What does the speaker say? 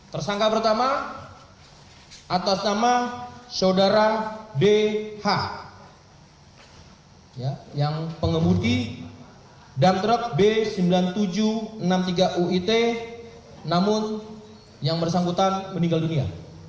tersangka pertama atas nama saudara bh yang pengemudi dam truk b sembilan ribu tujuh ratus enam puluh tiga uit namun yang bersangkutan meninggal dunia